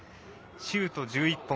シュート１１本。